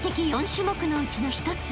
４種目のうちの一つ］